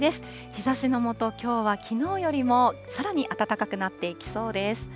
日ざしの下、きょうはきのうよりもさらに暖かくなっていきそうです。